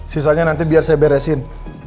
sisanya nanti biar saya beresin